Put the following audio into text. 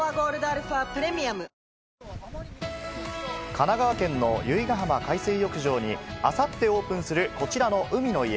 神奈川県の由比ガ浜海水浴場にあさってオープンするこちらの海の家。